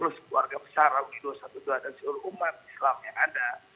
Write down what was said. seluruh keluarga besar reuni dua ratus dua belas dan seluruh umat islam yang ada